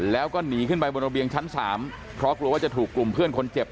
แล้วก็หนีขึ้นไปบนระเบียงชั้น๓เพราะกลัวว่าจะถูกกลุ่มเพื่อนคนเจ็บ